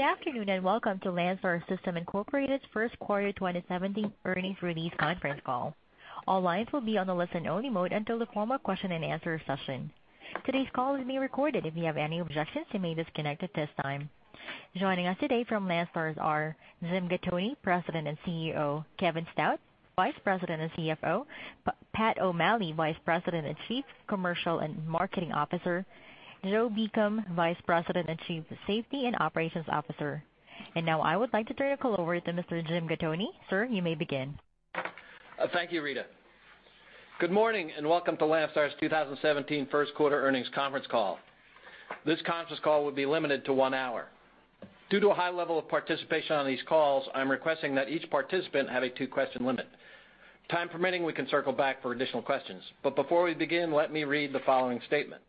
Good afternoon, and welcome to Landstar System Incorporated's Q1 2017 Earnings Release Conference Call. All lines will be on the listen-only mode until the formal question-and-answer session. Today's call is being recorded. If you have any objections, you may disconnect at this time. Joining us today from Landstar are Jim Gattoni, President and CEO, Kevin Stout, Vice President and CFO, Pat O'Malley, Vice President and Chief Commercial and Marketing Officer, Joe Beacom, Vice President and Chief Safety and Operations Officer. And now I would like to turn the call over to Mr. Jim Gattoni. Sir, you may begin. Thank you, Rita. Good morning, and welcome to Landstar's 2017 Q1 Earnings Conference Call. This conference call will be limited to one hour. Due to a high level of participation on these calls, I'm requesting that each participant have a two-question limit. Time permitting, we can circle back for additional questions. Before we begin, let me read the following statement.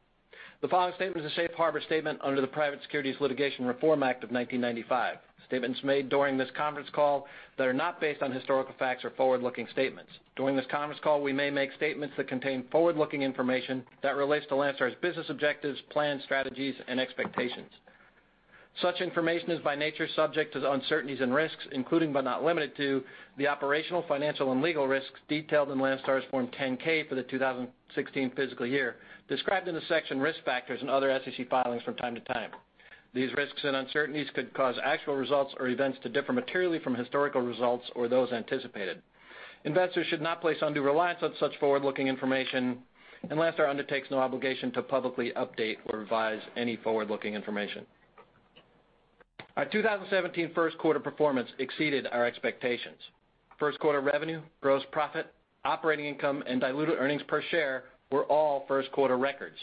The following statement is a safe harbor statement under the Private Securities Litigation Reform Act of 1995. Statements made during this conference call that are not based on historical facts are forward-looking statements. During this conference call, we may make statements that contain forward-looking information that relates to Landstar's business objectives, plans, strategies, and expectations. Such information is, by nature, subject to the uncertainties and risks, including but not limited to, the operational, financial, and legal risks detailed in Landstar's Form 10-K for the 2016 fiscal year, described in the section Risk Factors and other SEC filings from time to time. These risks and uncertainties could cause actual results or events to differ materially from historical results or those anticipated. Investors should not place undue reliance on such forward-looking information, and Landstar undertakes no obligation to publicly update or revise any forward-looking information. Our 2017 Q1 performance exceeded our expectations. Q1 revenue, gross profit, operating income, and diluted earnings per share were all first-quarter records.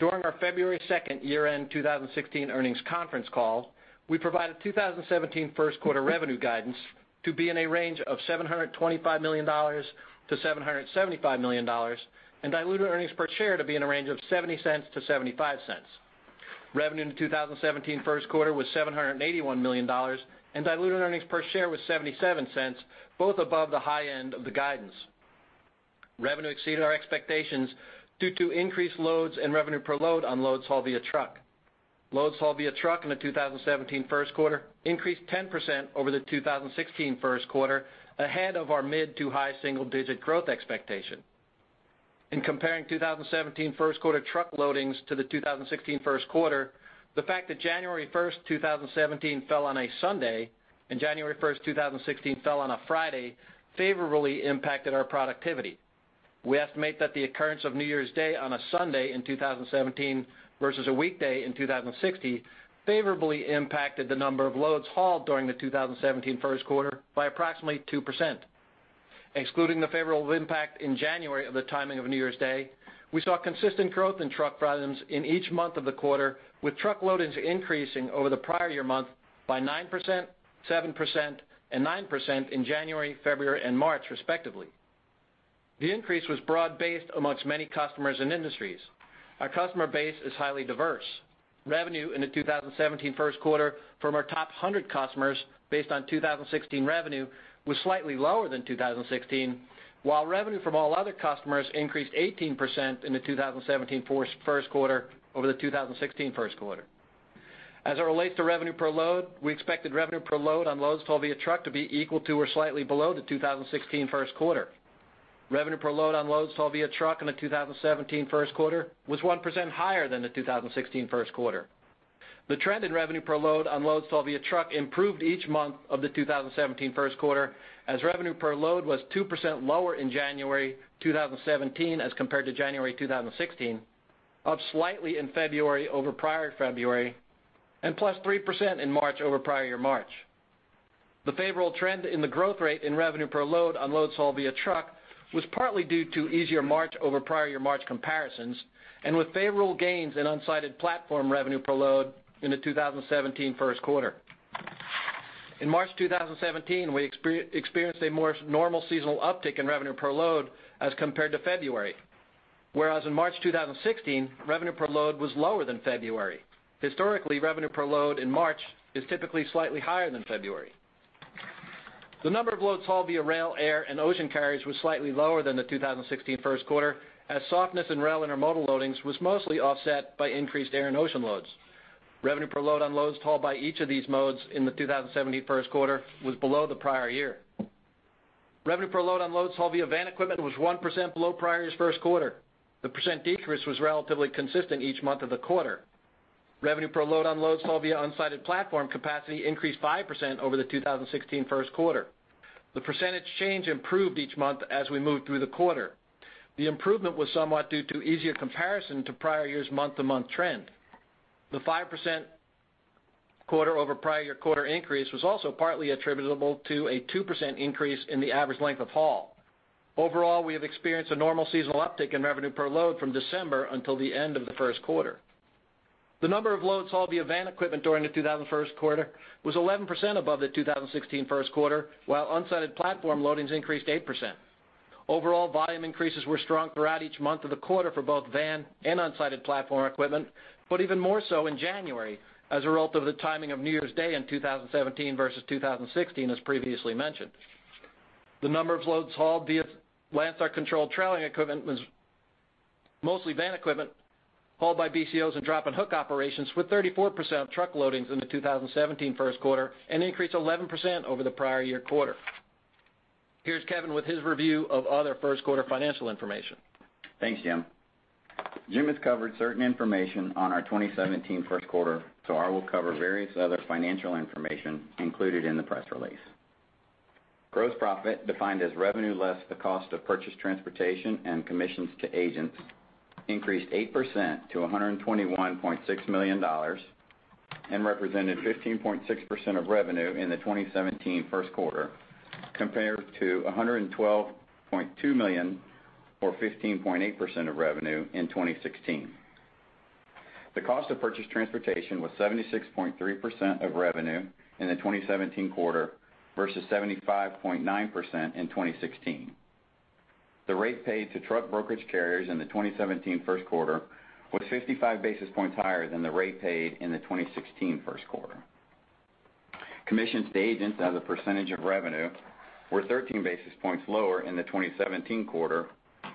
During our February 2 year-end 2016 Earnings Conference Call, we provided 2017 Q1 revenue guidance to be in a range of $725 million-$775 million, and diluted earnings per share to be in a range of $0.70-$0.75. Revenue in the 2017 Q1 was $781 million, and diluted earnings per share was $0.77, both above the high end of the guidance. Revenue exceeded our expectations due to increased loads and revenue per load on loads hauled via truck. Loads hauled via truck in the 2017 Q1 increased 10% over the 2016 Q1, ahead of our mid to high single-digit growth expectation. In comparing 2017 Q1 truck loadings to the 2016 Q1, the fact that January 1st, 2017 fell on a Sunday and January 1st, 2016 fell on a Friday, favorably impacted our productivity. We estimate that the occurrence of New Year's Day on a Sunday in 2017 versus a weekday in 2016, favorably impacted the number of loads hauled during the 2017 Q1 by approximately 2%. Excluding the favorable impact in January of the timing of New Year's Day, we saw consistent growth in truck volumes in each month of the quarter, with truck loadings increasing over the prior year month by 9%, 7%, and 9% in January, February, and March, respectively. The increase was broad-based among many customers and industries. Our customer base is highly diverse. Revenue in the 2017 Q1 from our top 100 customers, based on 2016 revenue, was slightly lower than 2016, while revenue from all other customers increased 18% in the 2017 Q1 over the 2016 Q1. As it relates to revenue per load, we expected revenue per load on loads hauled via truck to be equal to or slightly below the 2016 Q1. Revenue per load on loads hauled via truck in the 2017 Q1 was 1% higher than the 2016 Q1. The trend in revenue per load on loads hauled via truck improved each month of the 2017 Q1, as revenue per load was 2% lower in January 2017 as compared to January 2016, up slightly in February over prior February, and plus 3% in March over prior year March. The favorable trend in the growth rate in revenue per load on loads hauled via truck was partly due to easier March over prior year March comparisons and with favorable gains in unsided platform revenue per load in the 2017 Q1. In March 2017, we experienced a more normal seasonal uptick in revenue per load as compared to February, whereas in March 2016, revenue per load was lower than February. Historically, revenue per load in March is typically slightly higher than February. The number of loads hauled via rail, air, and ocean carriers was slightly lower than the 2016 Q1, as softness in rail intermodal loadings was mostly offset by increased air and ocean loads. Revenue per load on loads hauled by each of these modes in the 2017 Q1 was below the prior year. Revenue per load on loads hauled via van equipment was 1% below prior year's Q1. The percent decrease was relatively consistent each month of the quarter. Revenue per load on loads hauled via unsided platform capacity increased 5% over the 2016 Q1. The percentage change improved each month as we moved through the quarter. The improvement was somewhat due to easier comparison to prior year's month-to-month trend. The 5% quarter-over-prior-year-quarter increase was also partly attributable to a 2% increase in the average length of haul. Overall, we have experienced a normal seasonal uptick in revenue per load from December until the end of the Q1. The number of loads hauled via van equipment during the 2017 Q1 was 11% above the 2016 Q1, while unsided platform loadings increased 8%. Overall, volume increases were strong throughout each month of the quarter for both van and unsided platform equipment, but even more so in January as a result of the timing of New Year's Day in 2017 versus 2016, as previously mentioned. The number of loads hauled via Landstar-controlled trailing equipment was-... mostly van equipment hauled by BCOs and drop and hook operations, with 34% of truck loadings in the 2017 Q1, an increase of 11% over the prior year quarter. Here's Kevin with his review of other Q1 financial information. Thanks, Jim. Jim has covered certain information on our 2017 Q1, so I will cover various other financial information included in the press release. Gross profit, defined as revenue less the cost of purchased transportation and commissions to agents, increased 8% to $121.6 million and represented 15.6% of revenue in the 2017 Q1, compared to $112.2 million, or 15.8% of revenue, in 2016. The cost of purchased transportation was 76.3% of revenue in the 2017 quarter versus 75.9% in 2016. The rate paid to truck brokerage carriers in the 2017 Q1 was 55 basis points higher than the rate paid in the 2016 Q1. Commissions to agents as a percentage of revenue were 13 basis points lower in the 2017 quarter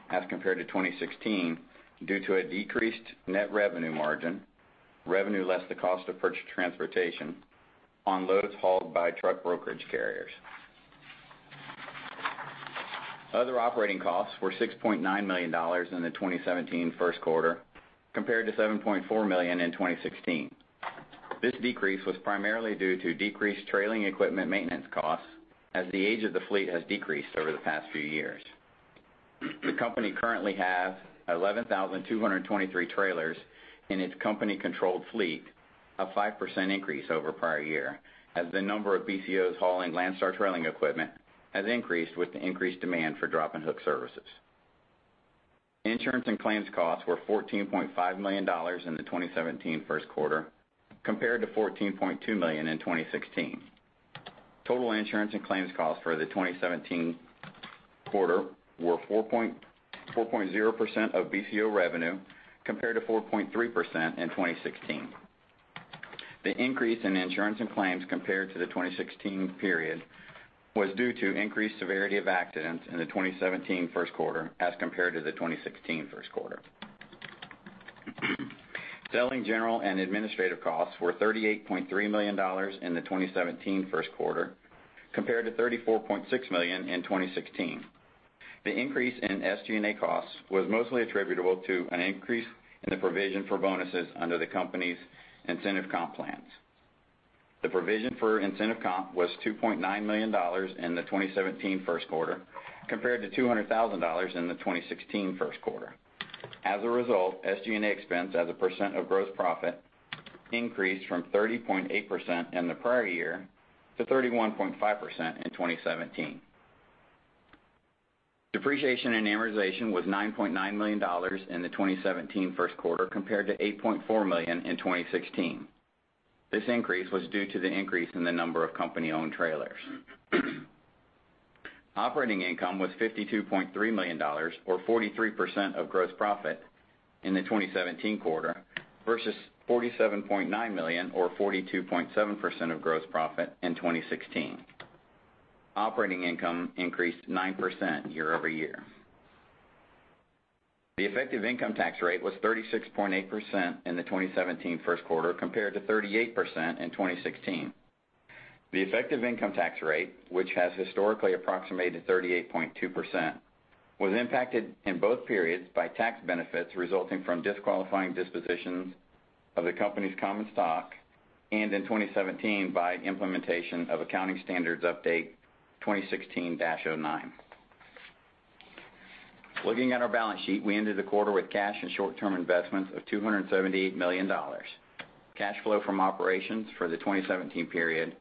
as compared to 2016, due to a decreased net revenue margin, revenue less the cost of purchased transportation on loads hauled by truck brokerage carriers. Other operating costs were $6.9 million in the 2017 Q1, compared to $7.4 million in 2016. This decrease was primarily due to decreased trailing equipment maintenance costs, as the age of the fleet has decreased over the past few years. The company currently has 11,223 trailers in its company-controlled fleet, a 5% increase over prior year, as the number of BCOs hauling Landstar trailing equipment has increased with the increased demand for drop and hook services. Insurance and claims costs were $14.5 million in the 2017 Q1, compared to $14.2 million in 2016. Total insurance and claims costs for the 2017 quarter were 4.0% of BCO revenue, compared to 4.3% in 2016. The increase in insurance and claims compared to the 2016 period was due to increased severity of accidents in the 2017 Q1 as compared to the 2016 Q1. Selling, general, and administrative costs were $38.3 million in the 2017 Q1, compared to $34.6 million in 2016. The increase in SG&A costs was mostly attributable to an increase in the provision for bonuses under the company's incentive comp plans. The provision for incentive comp was $2.9 million in the 2017 Q1, compared to $200,000 in the 2016 Q1. As a result, SG&A expense as a percent of gross profit increased from 30.8% in the prior year to 31.5% in 2017. Depreciation and amortization was $9.9 million in the 2017 Q1, compared to $8.4 million in 2016. This increase was due to the increase in the number of company-owned trailers. Operating income was $52.3 million, or 43% of gross profit in the 2017 quarter, versus $47.9 million or 42.7% of gross profit in 2016. Operating income increased 9% year-over-year. The effective income tax rate was 36.8% in the 2017 Q1, compared to 38% in 2016. The effective income tax rate, which has historically approximated 38.2%, was impacted in both periods by tax benefits resulting from disqualifying dispositions of the company's common stock, and in 2017, by implementation of Accounting Standards Update 2016-09. Looking at our balance sheet, we ended the quarter with cash and short-term investments of $278 million. Cash flow from operations for the 2017 period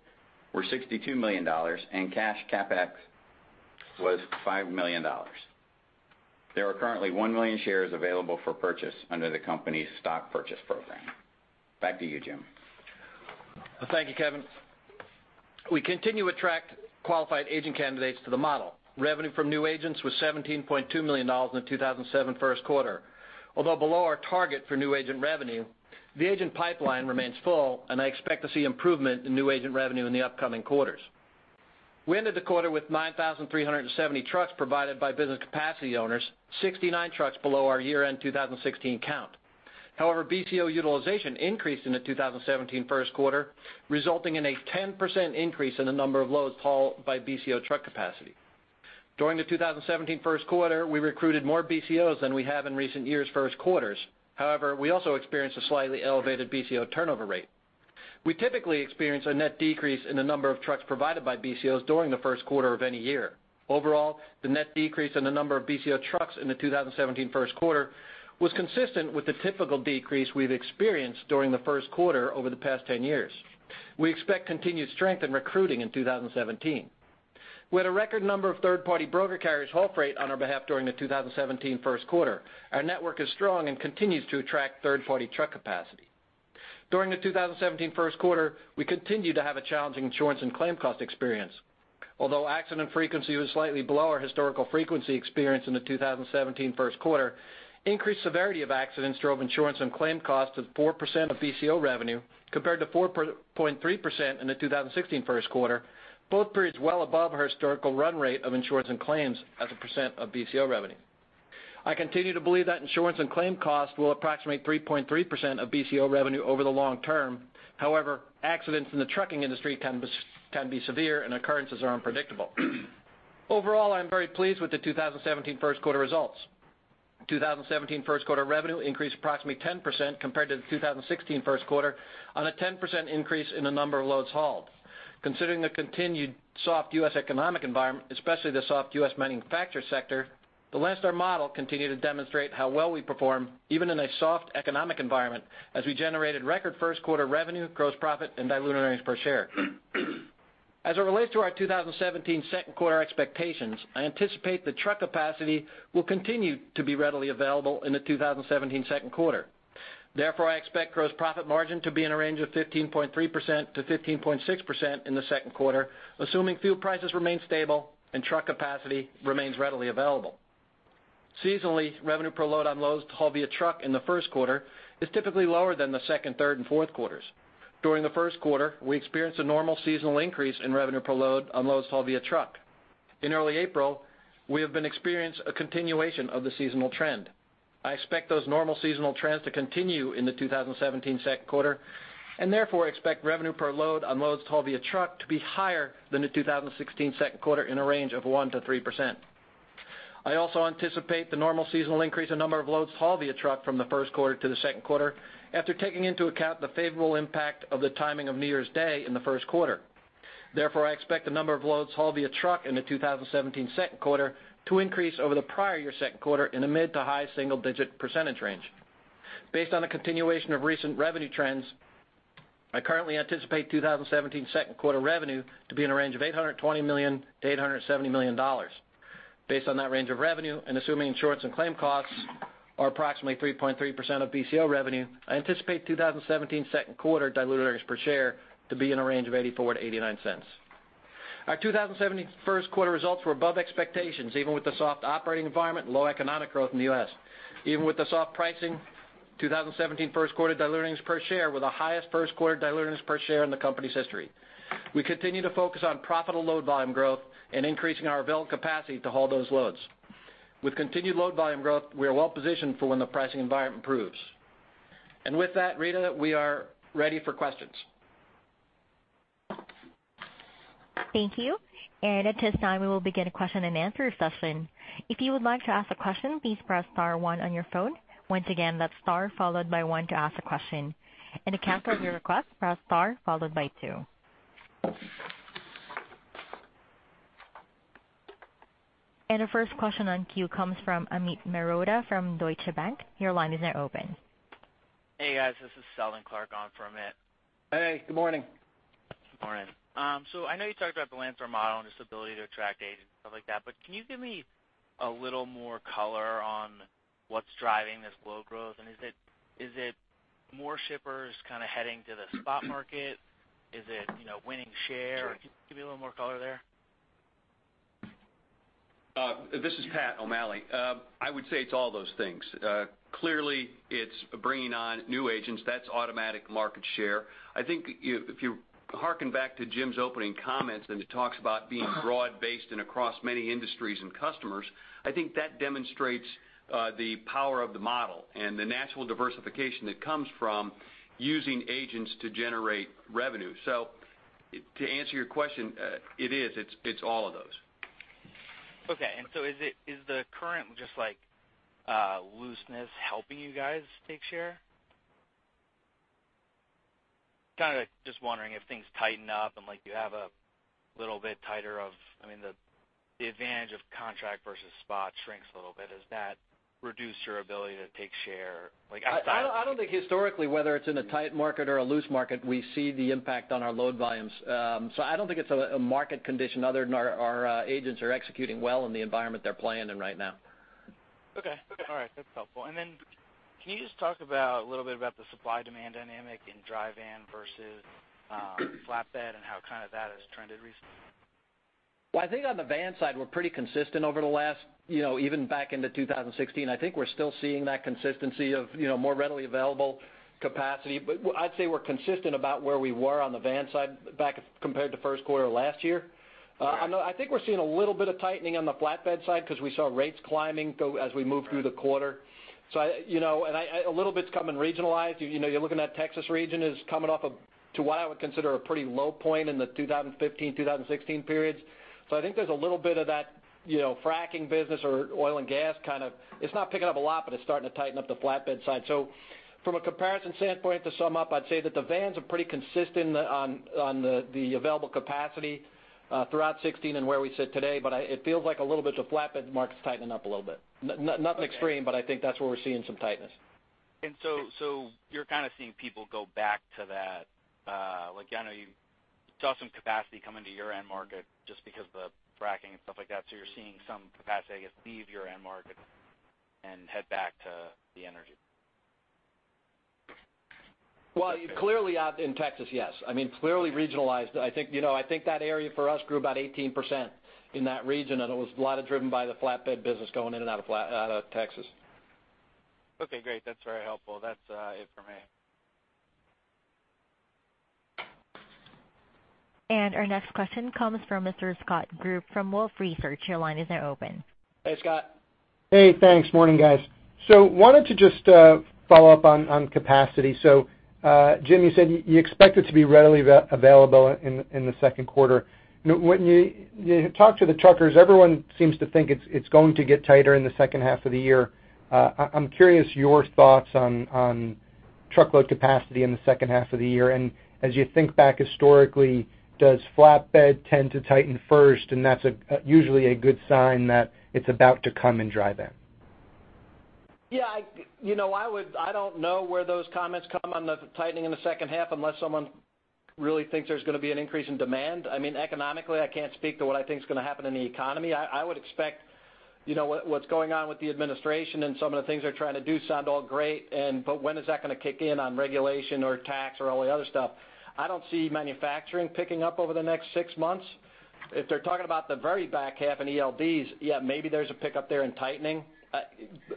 were $62 million, and cash CapEx was $5 million. There are currently 1 million shares available for purchase under the company's stock purchase program. Back to you, Jim. Thank you, Kevin. We continue to attract qualified agent candidates to the model. Revenue from new agents was $17.2 million in the 2017 Q1. Although below our target for new agent revenue, the agent pipeline remains full, and I expect to see improvement in new agent revenue in the upcoming quarters. We ended the quarter with 9,370 trucks provided by business capacity owners, 69 trucks below our year-end 2016 count. However, BCO utilization increased in the 2017 Q1, resulting in a 10% increase in the number of loads hauled by BCO truck capacity. During the 2017 Q1, we recruited more BCOs than we have in recent years' Q1s. However, we also experienced a slightly elevated BCO turnover rate. We typically experience a net decrease in the number of trucks provided by BCOs during the Q1 of any year. Overall, the net decrease in the number of BCO trucks in the 2017 Q1 was consistent with the typical decrease we've experienced during the Q1 over the past 10 years. We expect continued strength in recruiting in 2017. We had a record number of third-party broker carriers haul freight on our behalf during the 2017 Q1. Our network is strong and continues to attract third-party truck capacity. During the 2017 Q1, we continued to have a challenging insurance and claim cost experience. Although accident frequency was slightly below our historical frequency experience in the 2017 Q1, increased severity of accidents drove insurance and claim costs to 4% of BCO revenue, compared to 4.3% in the 2016 Q1, both periods well above our historical run rate of insurance and claims as a percent of BCO revenue. I continue to believe that insurance and claim costs will approximate 3.3% of BCO revenue over the long term. However, accidents in the trucking industry can be, can be severe and occurrences are unpredictable. Overall, I'm very pleased with the 2017 Q1 results. 2017 Q1 revenue increased approximately 10% compared to the 2016 Q1 on a 10% increase in the number of loads hauled. Considering the continued soft U.S. economic environment, especially the soft U.S. manufacturing sector, the Landstar model continued to demonstrate how well we perform even in a soft economic environment, as we generated record Q1 revenue, gross profit, and diluted earnings per share. As it relates to our 2017 Q2 expectations, I anticipate the truck capacity will continue to be readily available in the 2017 Q2. Therefore, I expect gross profit margin to be in a range of 15.3%-15.6% in the Q2, assuming fuel prices remain stable and truck capacity remains readily available. Seasonally, revenue per load on loads hauled via truck in the Q1 is typically lower than the second, third, and Q4s. During the Q1, we experienced a normal seasonal increase in revenue per load on loads hauled via truck. In early April, we have experienced a continuation of the seasonal trend. I expect those normal seasonal trends to continue in the 2017 Q2, and therefore, expect revenue per load on loads hauled via truck to be higher than the 2016 Q2 in a range of 1%-3%. I also anticipate the normal seasonal increase in number of loads hauled via truck from the Q1 to the Q2, after taking into account the favorable impact of the timing of New Year's Day in the Q1. Therefore, I expect the number of loads hauled via truck in the 2017 Q2 to increase over the prior year Q2 in the mid- to high-single-digit percentage range. Based on the continuation of recent revenue trends, I currently anticipate 2017 Q2 revenue to be in a range of $820 million-$870 million. Based on that range of revenue, and assuming insurance and claim costs are approximately 3.3% of BCO revenue, I anticipate 2017 Q2 diluted earnings per share to be in a range of $0.84-$0.89. Our 2017 Q1 results were above expectations, even with the soft operating environment and low economic growth in the U.S. Even with the soft pricing, 2017 Q1 diluted earnings per share were the highest Q1 diluted earnings per share in the company's history. We continue to focus on profitable load volume growth and increasing our available capacity to haul those loads. With continued load volume growth, we are well positioned for when the pricing environment improves. And with that, Rita, we are ready for questions. Thank you. At this time, we will begin a question-and-answer session. If you would like to ask a question, please press star one on your phone. Once again, that's star followed by one to ask a question, and to cancel your request, press star followed by two. The first question in queue comes from Amit Mehrotra from Deutsche Bank. Your line is now open. Hey, guys, this is Seldon Clarke on for Amit. Hey, good morning. Good morning. So I know you talked about the Landstar model and its ability to attract agents and stuff like that, but can you give me a little more color on what's driving this load growth? And is it, is it more shippers kind of heading to the spot market? Is it, you know, winning share? Sure. Can you give me a little more color there? This is Pat O'Malley. I would say it's all those things. Clearly, it's bringing on new agents. That's automatic market share. I think if you, if you harken back to Jim's opening comments, and he talks about being broad-based and across many industries and customers, I think that demonstrates the power of the model and the natural diversification that comes from using agents to generate revenue. So to answer your question, it is, it's, it's all of those. Okay. And so is the current just like, looseness helping you guys take share? Kind of like just wondering if things tighten up and like, you have a little bit tighter of... I mean, the, the advantage of contract versus spot shrinks a little bit. Does that reduce your ability to take share, like, outside- I don't think historically, whether it's in a tight market or a loose market, we see the impact on our load volumes. So I don't think it's a market condition other than our agents are executing well in the environment they're playing in right now. Okay. Okay. All right. That's helpful. And then can you just talk about a little bit about the supply-demand dynamic in dry van versus flatbed and how kind of that has trended recently? Well, I think on the van side, we're pretty consistent over the last, you know, even back into 2016. I think we're still seeing that consistency of, you know, more readily available capacity. But I'd say we're consistent about where we were on the van side back compared to Q1 of last year. Okay. I know... I think we're seeing a little bit of tightening on the flatbed side because we saw rates climbing, you know, as we moved through the quarter. Right. So I, you know, a little bit's coming regionalized. You know, you're looking at that Texas region is coming off a, to what I would consider, a pretty low point in the 2015, 2016 periods. So I think there's a little bit of that, you know, fracking business or oil and gas kind of... It's not picking up a lot, but it's starting to tighten up the flatbed side. So from a comparison standpoint, to sum up, I'd say that the vans are pretty consistent on the available capacity throughout 2016 and where we sit today, but it feels like a little bit of the flatbed market's tightening up a little bit. Okay. Nothing extreme, but I think that's where we're seeing some tightness. So, you're kind of seeing people go back to that, like, I know you saw some capacity come into your end market just because of the fracking and stuff like that, so you're seeing some capacity, I guess, leave your end market and head back to the energy? Well, clearly out in Texas, yes. I mean, clearly regionalized. I think, you know, I think that area for us grew about 18% in that region, and it was a lot of driven by the flatbed business going in and out of Texas. Okay, great. That's very helpful. That's it for me. ... And our next question comes from Mr. Scott Group from Wolfe Research. Your line is now open. Hey, Scott. Hey, thanks. Morning, guys. So, wanted to just follow up on capacity. So, Jim, you said you expect it to be readily available in the Q2. When you talk to the truckers, everyone seems to think it's going to get tighter in the second half of the year. I'm curious your thoughts on truckload capacity in the second half of the year. And as you think back historically, does flatbed tend to tighten first, and that's usually a good sign that it's about to come in dry van? Yeah, I, you know, I would- I don't know where those comments come on the tightening in the second half unless someone really thinks there's gonna be an increase in demand. I mean, economically, I can't speak to what I think is gonna happen in the economy. I, I would expect, you know, what's going on with the administration and some of the things they're trying to do sound all great and, but when is that gonna kick in on regulation or tax or all the other stuff? I don't see manufacturing picking up over the next six months. If they're talking about the very back half in ELDs, yeah, maybe there's a pickup there in tightening.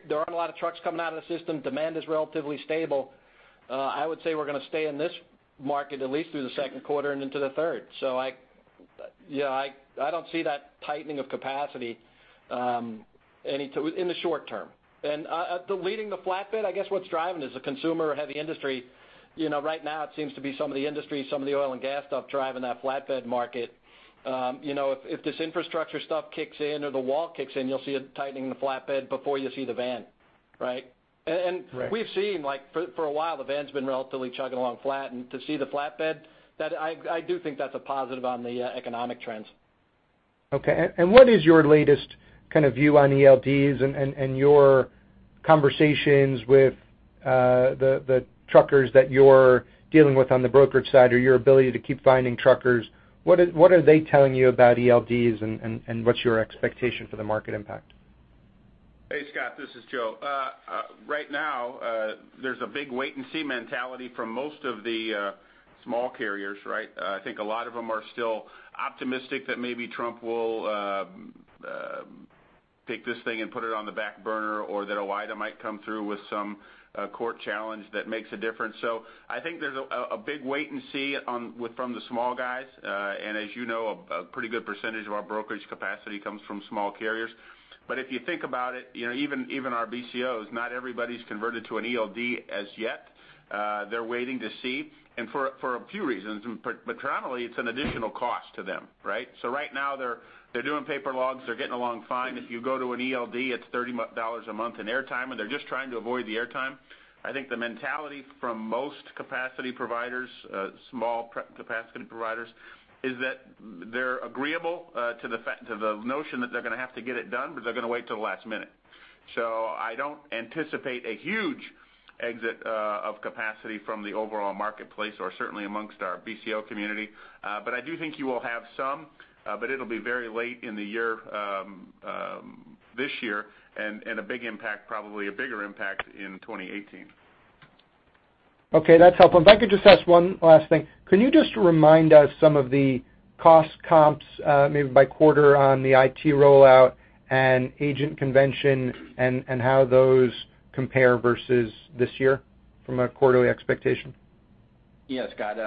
There aren't a lot of trucks coming out of the system. Demand is relatively stable. I would say we're gonna stay in this market at least through the Q2 and into the third. So, yeah, I don't see that tightening of capacity anytime in the short term. And, what's leading the flatbed, I guess, what's driving is the consumer or heavy industry. You know, right now, it seems to be some of the industry, some of the oil and gas stuff driving that flatbed market. You know, if this infrastructure stuff kicks in or the wall kicks in, you'll see a tightening in the flatbed before you see the van, right? Right. And we've seen, like, for a while, the van's been relatively chugging along flat. And to see the flatbed, that I do think that's a positive on the economic trends. Okay. And what is your latest kind of view on ELDs and your conversations with the truckers that you're dealing with on the brokerage side, or your ability to keep finding truckers? What are they telling you about ELDs, and what's your expectation for the market impact? Hey, Scott, this is Joe. Right now, there's a big wait-and-see mentality from most of the small carriers, right? I think a lot of them are still optimistic that maybe Trump will take this thing and put it on the back burner or that OOIDA might come through with some court challenge that makes a difference. So I think there's a big wait and see with from the small guys. And as you know, a pretty good percentage of our brokerage capacity comes from small carriers. But if you think about it, you know, even our BCOs, not everybody's converted to an ELD as yet. They're waiting to see, and for a few reasons, but primarily, it's an additional cost to them, right? So right now, they're doing paper logs. They're getting along fine. If you go to an ELD, it's 30-something dollars a month in airtime, and they're just trying to avoid the airtime. I think the mentality from most capacity providers, small prep capacity providers, is that they're agreeable to the fact, to the notion that they're gonna have to get it done, but they're gonna wait till the last minute. So I don't anticipate a huge exit of capacity from the overall marketplace or certainly amongst our BCO community. But I do think you will have some, but it'll be very late in the year, this year, and a big impact, probably a bigger impact in 2018. Okay, that's helpful. If I could just ask one last thing. Can you just remind us some of the cost comps, maybe by quarter on the IT rollout and agent convention and, and how those compare versus this year from a quarterly expectation? Yeah, Scott.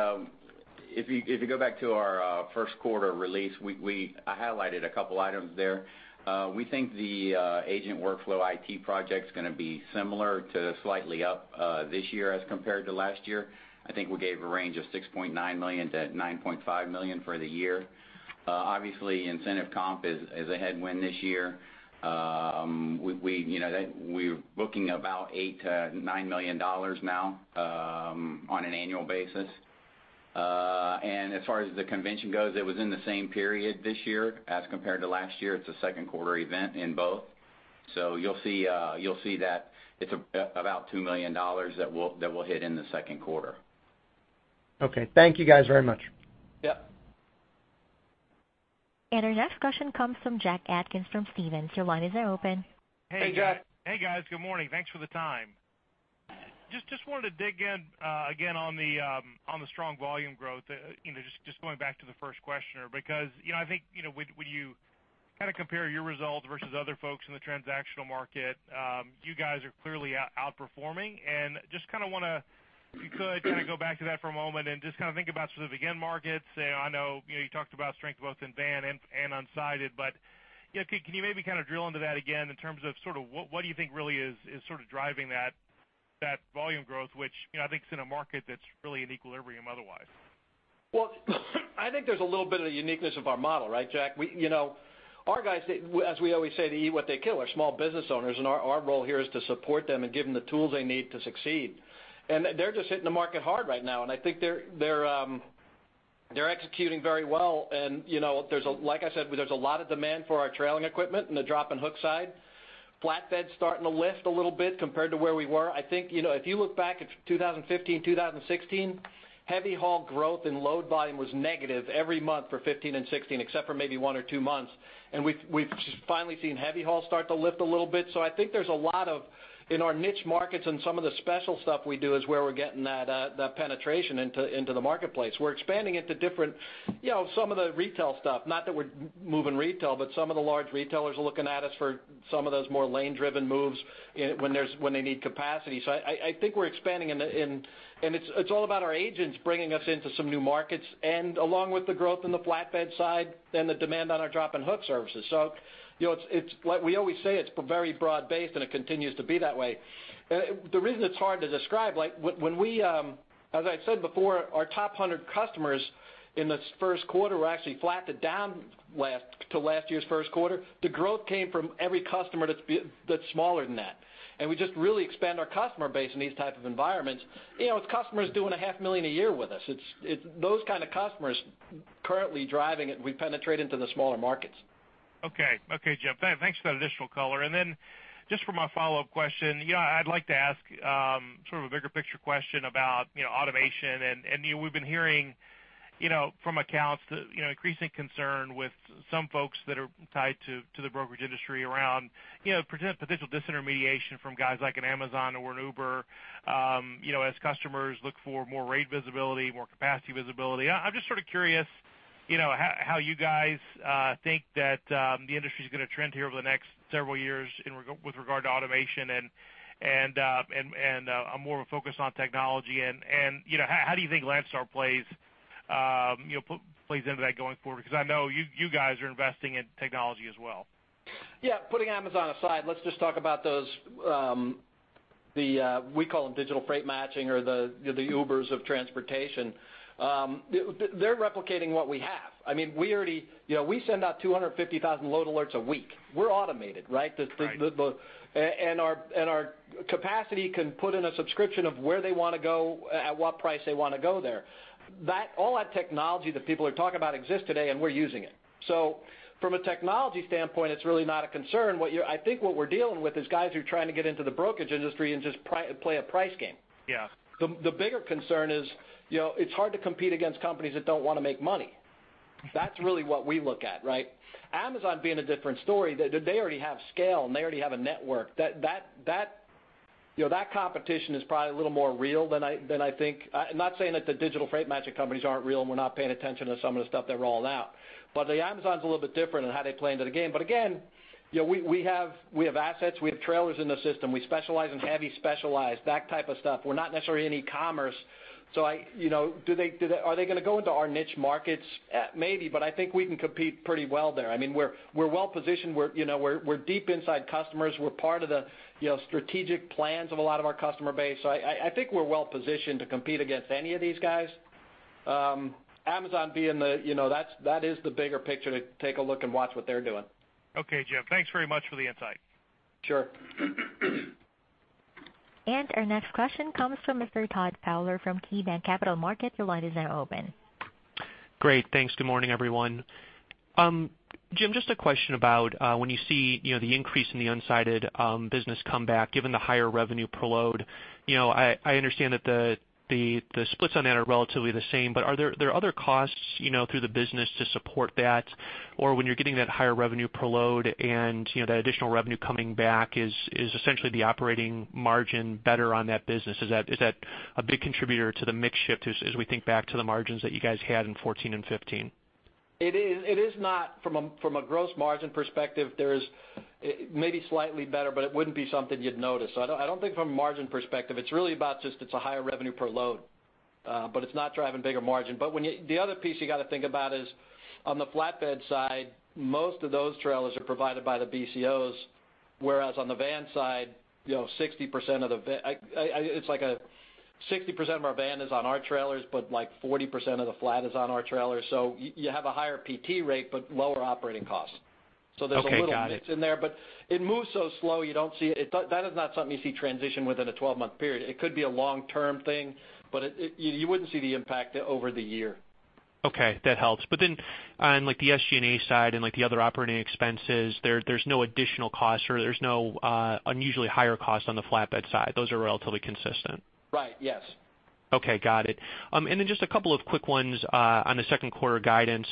If you go back to our Q1 release, we, I highlighted a couple items there. We think the agent workflow IT project is gonna be similar to slightly up this year as compared to last year. I think we gave a range of $6.9 million-$9.5 million for the year. Obviously, incentive comp is a headwind this year. We, you know, that we're booking about $8-$9 million now on an annual basis. And as far as the convention goes, it was in the same period this year as compared to last year. It's a Q2 event in both. So you'll see that it's about $2 million that will hit in the Q2. Okay. Thank you, guys, very much. Yep. Our next question comes from Jack Atkins from Stephens. Your line is now open. Hey, Jack. Hey, guys. Good morning. Thanks for the time. Just wanted to dig in again on the strong volume growth, you know, just going back to the first questioner, because, you know, I think, you know, when you kind of compare your results versus other folks in the transactional market, you guys are clearly outperforming. And just kind of want to, if you could, kind of go back to that for a moment and just kind of think about sort of again, markets.I know, you know, you talked about strength both in van and unsided, but, you know, can you maybe kind of drill into that again, in terms of sort of what do you think really is sort of driving that volume growth, which, you know, I think is in a market that's really in equilibrium otherwise? Well, I think there's a little bit of the uniqueness of our model, right, Jack? We, you know, our guys, they, as we always say, they eat what they kill, are small business owners, and our, our role here is to support them and give them the tools they need to succeed. And they're just hitting the market hard right now, and I think they're executing very well. And, you know, there's a... Like I said, there's a lot of demand for our trailing equipment and the drop and hook side. Flatbed's starting to lift a little bit compared to where we were. I think, you know, if you look back at 2015, 2016, heavy haul growth and load volume was negative every month for 2015 and 2016, except for maybe one or two months. And we've just finally seen heavy haul start to lift a little bit. So I think there's a lot of, in our niche markets and some of the special stuff we do, is where we're getting that that penetration into into the marketplace. We're expanding into different, you know, some of the retail stuff, not that we're moving retail, but some of the large retailers are looking at us for some of those more lane-driven moves in when there's when they need capacity. So I think we're expanding in the in. And it's all about our agents bringing us into some new markets, and along with the growth in the flatbed side and the demand on our drop and hook services. So, you know, it's like we always say, it's very broad-based, and it continues to be that way. The reason it's hard to describe, like, when we, as I said before, our top 100 customers in this Q1 were actually flat to down last to last year's Q1. The growth came from every customer that's smaller than that. And we just really expand our customer base in these type of environments. You know, it's customers doing $500,000 a year with us. It's those kind of customers currently driving it, and we penetrate into the smaller markets. ... Okay. Okay, Jim, thanks for that additional color. And then just for my follow-up question, you know, I'd like to ask sort of a bigger picture question about, you know, automation. And, and, you know, we've been hearing, you know, from accounts, the, you know, increasing concern with some folks that are tied to the brokerage industry around, you know, potential disintermediation from guys like an Amazon or an Uber, you know, as customers look for more rate visibility, more capacity visibility. I'm just sort of curious, you know, how you guys think that the industry is going to trend here over the next several years with regard to automation and a more of a focus on technology? And you know, how do you think Landstar plays into that going forward? Because I know you guys are investing in technology as well. Yeah, putting Amazon aside, let's just talk about those, we call them digital freight matching or the Ubers of transportation. They're replicating what we have. I mean, we already, you know, we send out 250,000 load alerts a week. We're automated, right? Right. And our capacity can put in a submission of where they want to go, at what price they want to go there. All that technology that people are talking about exists today, and we're using it. So from a technology standpoint, it's really not a concern. What you're I think what we're dealing with is guys who are trying to get into the brokerage industry and just play a price game. Yeah. The bigger concern is, you know, it's hard to compete against companies that don't want to make money. That's really what we look at, right? Amazon being a different story, they already have scale, and they already have a network. That competition is probably a little more real than I think. I'm not saying that the digital freight matching companies aren't real, and we're not paying attention to some of the stuff they're rolling out. But Amazon is a little bit different in how they play into the game. But again, you know, we have assets, we have trailers in the system. We specialize in heavy specialized, that type of stuff. We're not necessarily in e-commerce. So, you know, do they -- are they going to go into our niche markets? Maybe, but I think we can compete pretty well there. I mean, we're well positioned, you know, we're deep inside customers. We're part of the, you know, strategic plans of a lot of our customer base. So I think we're well positioned to compete against any of these guys. Amazon being the, you know, that's, that is the bigger picture, to take a look and watch what they're doing. Okay, Jim, thanks very much for the insight. Sure. Our next question comes from Mr. Todd Fowler from KeyBanc Capital Markets. Your line is now open. Great, thanks. Good morning, everyone. Jim, just a question about when you see, you know, the increase in the unsided business come back, given the higher revenue per load. You know, I understand that the splits on that are relatively the same, but are there other costs, you know, through the business to support that? Or when you're getting that higher revenue per load, and, you know, that additional revenue coming back, is essentially the operating margin better on that business? Is that a big contributor to the mix shift, as we think back to the margins that you guys had in 2014 and 2015? It is not from a gross margin perspective. It may be slightly better, but it wouldn't be something you'd notice. So I don't think from a margin perspective, it's really about just it's a higher revenue per load, but it's not driving bigger margin. But when you the other piece you got to think about is, on the flatbed side, most of those trailers are provided by the BCOs, whereas on the van side, you know, 60% of the van, it's like, 60% of our van is on our trailers, but like 40% of the flat is on our trailers. So you have a higher PT rate, but lower operating costs. Okay, got it. So there's a little mix in there, but it moves so slow, you don't see it. That is not something you see transition within a 12-month period. It could be a long-term thing, but it, you, you wouldn't see the impact over the year. Okay, that helps. But then on, like, the SG&A side and, like, the other operating expenses, there, there's no additional costs, or there's no unusually higher costs on the flatbed side. Those are relatively consistent. Right. Yes. Okay, got it. And then just a couple of quick ones on the Q2 guidance.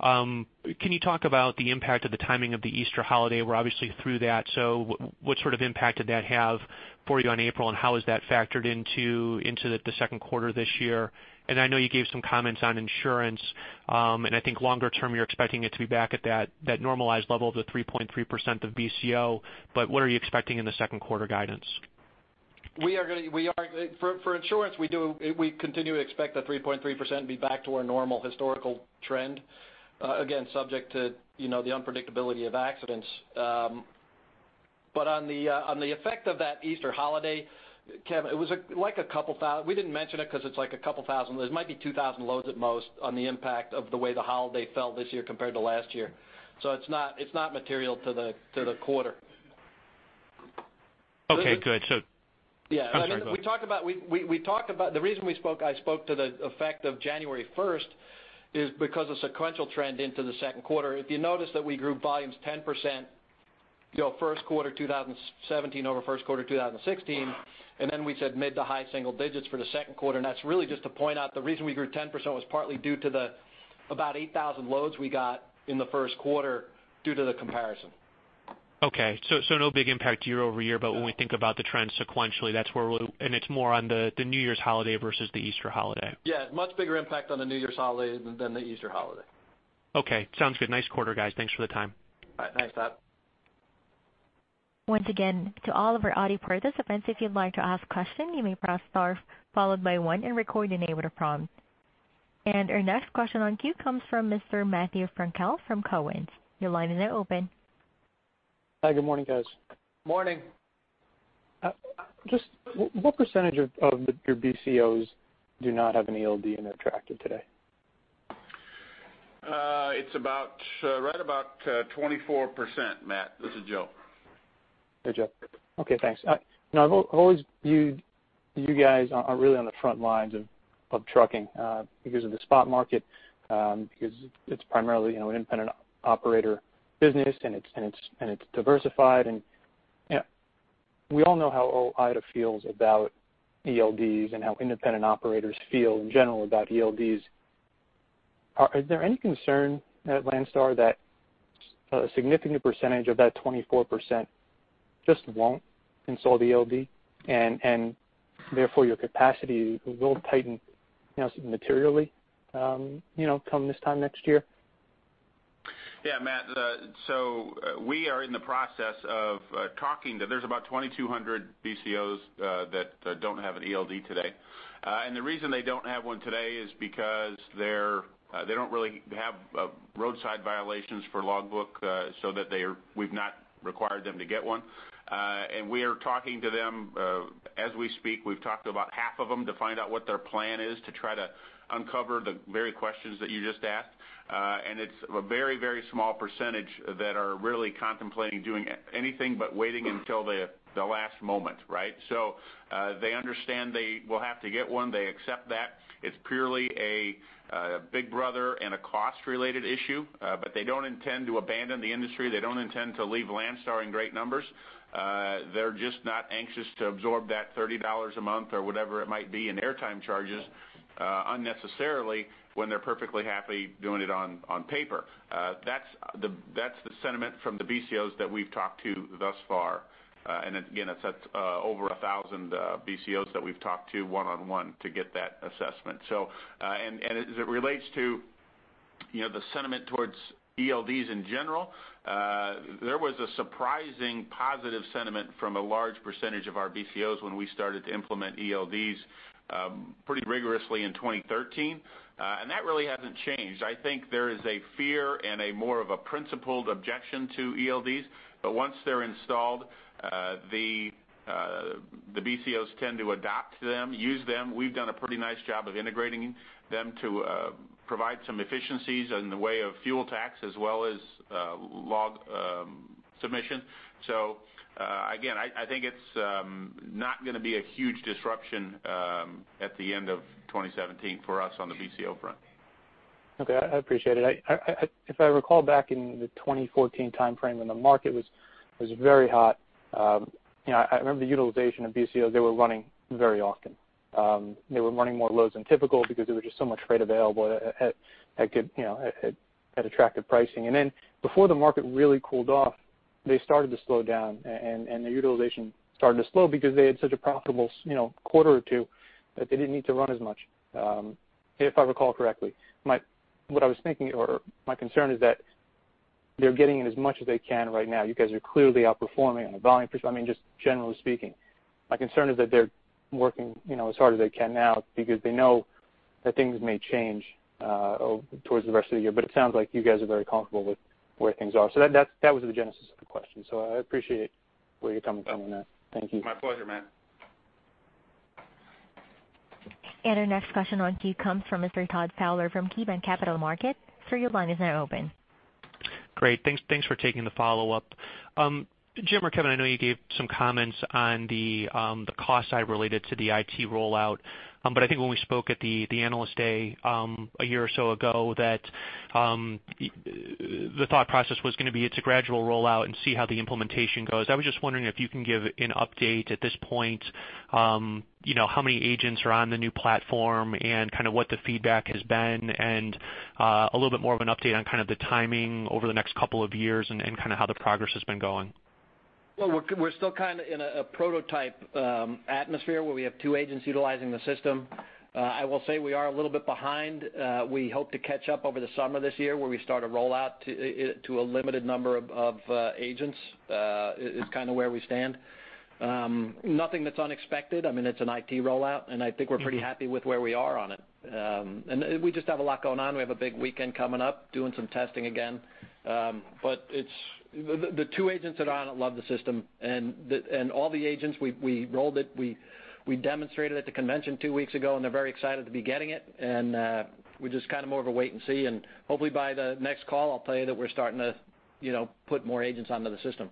Can you talk about the impact of the timing of the Easter holiday? We're obviously through that. So what sort of impact did that have for you on April, and how has that factored into the Q2 this year? And I know you gave some comments on insurance, and I think longer term, you're expecting it to be back at that normalized level of the 3.3% of BCO. But what are you expecting in the Q2 guidance? We are, for insurance, we continue to expect the 3.3% be back to our normal historical trend, again, subject to, you know, the unpredictability of accidents. But on the effect of that Easter holiday, Kevin, it was, like, a couple thousand. We didn't mention it because it's, like, a couple thousand. It might be 2,000 loads at most on the impact of the way the holiday fell this year compared to last year. So it's not material to the quarter. Okay, good. Yeah. I'm sorry, go ahead. We talked about the reason we spoke, I spoke to the effect of January 1st, is because of sequential trend into the Q2. If you notice that we grew volumes 10%, you know, Q1 2017 over Q1 2016, and then we said mid- to high-single digits for the Q2, and that's really just to point out the reason we grew 10% was partly due to the about 8,000 loads we got in the Q1 due to the comparison. Okay, so no big impact year-over-year. No. But when we think about the trend sequentially, that's where we're... And it's more on the, the New Year's holiday versus the Easter holiday. Yeah, much bigger impact on the New Year's holiday than, than the Easter holiday. Okay, sounds good. Nice quarter, guys. Thanks for the time. All right. Thanks, Todd. Once again, to all of our audio participants, if you'd like to ask a question, you may press star followed by one and record your name when prompted. Our next question in queue comes from Mr. Matt Elkott from Cowen. Your line is now open. Hi, good morning, guys. Morning. Just what percentage of, of your BCOs do not have an ELD in their tractor today? It's about right about 24%, Matt. This is Joe. Hey, Joe. Okay, thanks. Now, I've always viewed you guys are really on the front lines of trucking because of the spot market because it's primarily, you know, an independent operator business, and it's diversified. And, you know, we all know how OOIDA feels about ELDs and how independent operators feel in general about ELDs. Is there any concern at Landstar that a significant percentage of that 24% just won't install the ELD, and therefore, your capacity will tighten, you know, materially, come this time next year? Yeah, Matt, so we are in the process of talking to them. There's about 2,200 BCOs that don't have an ELD today. The reason they don't have one today is because they don't really have roadside violations for logbook, so we've not required them to get one. We are talking to them as we speak. We've talked to about half of them to find out what their plan is, to try to uncover the very questions that you just asked. It's a very, very small percentage that are really contemplating doing anything but waiting until the last moment, right? So, they understand they will have to get one. They accept that. It's purely a big brother and a cost-related issue, but they don't intend to abandon the industry. They don't intend to leave Landstar in great numbers. They're just not anxious to absorb that $30 a month, or whatever it might be, in airtime charges unnecessarily when they're perfectly happy doing it on paper. That's the sentiment from the BCOs that we've talked to thus far. And again, that's over 1,000 BCOs that we've talked to one-on-one to get that assessment. So, and as it relates to, you know, the sentiment towards ELDs in general, there was a surprising positive sentiment from a large percentage of our BCOs when we started to implement ELDs pretty rigorously in 2013, and that really hasn't changed. I think there is a fear and a more of a principled objection to ELDs, but once they're installed, the BCOs tend to adopt them, use them. We've done a pretty nice job of integrating them to provide some efficiencies in the way of fuel tax, as well as log submission. So, again, I think it's not gonna be a huge disruption at the end of 2017 for us on the BCO front. Okay. I appreciate it. If I recall back in the 2014 timeframe, when the market was very hot, you know, I remember the utilization of BCOs, they were running very often. They were running more loads than typical because there was just so much freight available at good, you know, at attractive pricing. And then before the market really cooled off, they started to slow down, and the utilization started to slow because they had such a profitable, you know, quarter or two, that they didn't need to run as much, if I recall correctly. What I was thinking, or my concern is that they're getting in as much as they can right now. You guys are clearly outperforming on a volume perspective. I mean, just generally speaking, my concern is that they're working, you know, as hard as they can now because they know that things may change over towards the rest of the year. But it sounds like you guys are very comfortable with where things are. So that was the genesis of the question. So I appreciate where you're coming from on that. Thank you. My pleasure, Matt. Our next question in queue comes from Mr. Todd Fowler from KeyBanc Capital Markets. Sir, your line is now open. Great. Thanks, thanks for taking the follow-up. Jim or Kevin, I know you gave some comments on the cost side related to the IT rollout. But I think when we spoke at the Analyst Day a year or so ago, the thought process was gonna be it's a gradual rollout and see how the implementation goes. I was just wondering if you can give an update at this point, you know, how many agents are on the new platform and kind of what the feedback has been? And a little bit more of an update on kind of the timing over the next couple of years and kind of how the progress has been going. Well, we're still kind of in a prototype atmosphere, where we have two agents utilizing the system. I will say we are a little bit behind. We hope to catch up over the summer this year, where we start a rollout to a limited number of agents, is kind of where we stand. Nothing that's unexpected. I mean, it's an IT rollout, and I think we're pretty happy with where we are on it. And we just have a lot going on. We have a big weekend coming up, doing some testing again. But it's... The two agents that are on it love the system, and all the agents we rolled it, we demonstrated at the convention two weeks ago, and they're very excited to be getting it. And we're just kind of more of a wait and see, and hopefully by the next call, I'll tell you that we're starting to, you know, put more agents onto the system.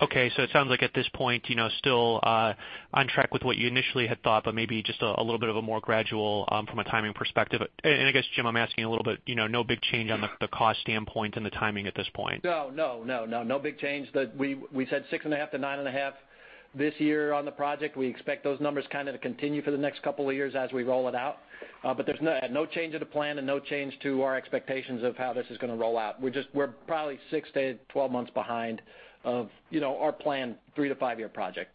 Okay, so it sounds like at this point, you know, still on track with what you initially had thought, but maybe just a little bit of a more gradual from a timing perspective. And I guess, Jim, I'm asking a little bit, you know, no big change on the cost standpoint and the timing at this point. No, no, no, no, no big change. We said 6.5-9.5 this year on the project. We expect those numbers kind of to continue for the next couple of years as we roll it out. But there's no change to the plan and no change to our expectations of how this is gonna roll out. We're probably 6-12 months behind of, you know, our planned 3-5-year project.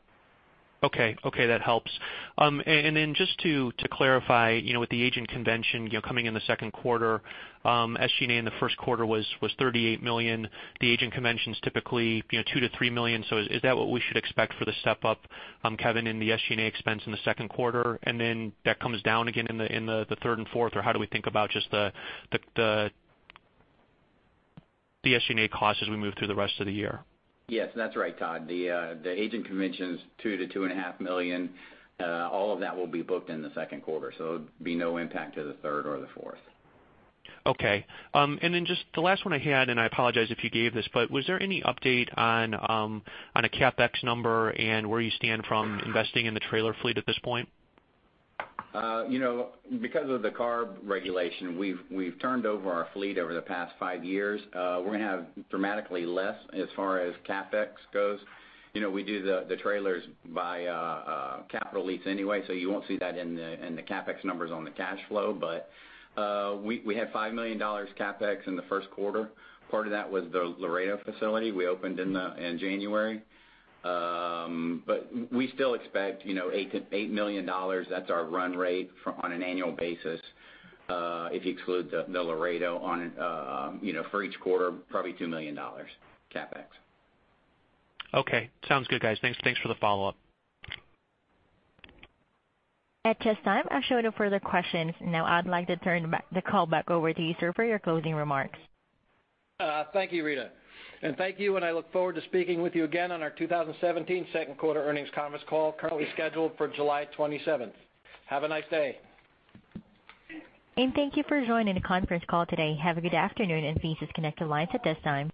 Okay. Okay, that helps. And then just to clarify, you know, with the agent convention, you know, coming in the Q2, SG&A in the Q1 was $38 million. The agent convention's typically, you know, $2 million-$3 million. So is that what we should expect for the step-up, Kevin, in the SG&A expense in the Q2? And then that comes down again in the third and fourth, or how do we think about just the SG&A costs as we move through the rest of the year? Yes, that's right, Todd. The agent convention's $2 million-$2.5 million. All of that will be booked in the Q2, so there'll be no impact to the third or the fourth. Okay. And then just the last one I had, and I apologize if you gave this, but was there any update on a CapEx number and where you stand from investing in the trailer fleet at this point? You know, because of the CARB regulation, we've turned over our fleet over the past five years. We're gonna have dramatically less as far as CapEx goes. You know, we do the trailers by capital lease anyway, so you won't see that in the CapEx numbers on the cash flow. But we had $5 million CapEx in the Q1. Part of that was the Laredo facility we opened in January. But we still expect, you know, 8 to 8 million dollars, that's our run rate for on an annual basis, if you exclude the Laredo on you know for each quarter, probably $2 million CapEx. Okay. Sounds good, guys. Thanks, thanks for the follow-up. At this time, I show no further questions. Now, I'd like to turn the call back over to you, sir, for your closing remarks. Thank you, Rita, and thank you, and I look forward to speaking with you again on our 2017 Q2 Earnings Conference Call, currently scheduled for July 27th. Have a nice day. Thank you for joining the conference call today. Have a good afternoon, and please disconnect your lines at this time.